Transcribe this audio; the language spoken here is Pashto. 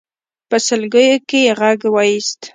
په سلګيو کې يې غږ واېست.